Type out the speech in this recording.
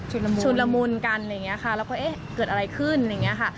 ชุนละมุนชุนละมุนกันอะไรอย่างเงี้ยค่ะเราก็เอ๊ะเกิดอะไรขึ้นอะไรอย่างเงี้ยค่ะ